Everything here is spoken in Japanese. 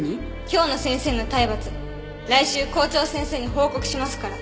今日の先生の体罰来週校長先生に報告しますから。